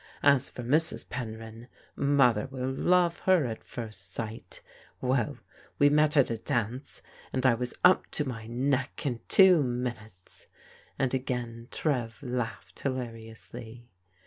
As for Mrs. Penryn, Mother will love her at first sight Well, we met at a dance, and I was up to my neck in two minutes," and again Trev laughed hilariously.